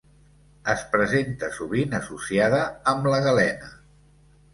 Es presenta sovint associada amb la galena.